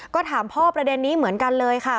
ก็ถามพ่อประเด็นนี้เหมือนกันเลยค่ะ